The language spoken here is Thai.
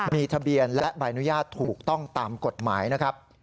มีทะเบียนและใบอนุญาตถูกต้องตามกฎหมายนะครับ